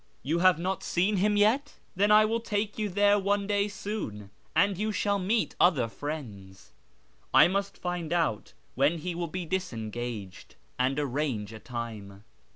You have not seen liim yet ? Then I will take you there one clay soon, and you shall meet other friends. I must find out when he will he disengaged, and arransTe a time."